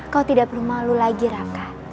kau tidak perlu malu lagi raka